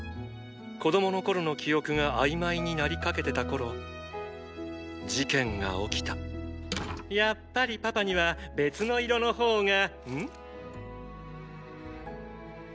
子供の頃の記憶が曖昧になりかけてた頃事件が起きたやっぱりパパには別の色の方がん？